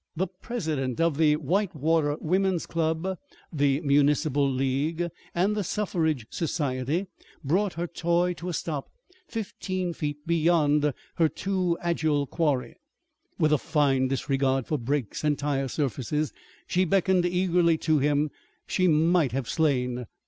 The president of the Whitewater Women's Club, the Municipal League and the Suffrage Society, brought her toy to a stop fifteen feet beyond her too agile quarry, with a fine disregard for brakes and tire surfaces. She beckoned eagerly to him she might have slain.